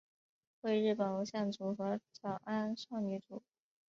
为日本偶像组合早安少女组。